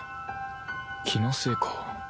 気のせいか